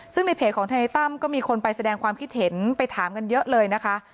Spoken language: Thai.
ซึ่งในเพจของทนายตั้มก็มีคนไปแสดงความคิดเห็นไปถามกันเยอะเลยนะคะ